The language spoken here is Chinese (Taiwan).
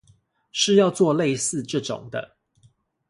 是要做類似這種的？